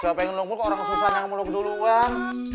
siapa yang nunggu ke orang susah yang menunggu duluan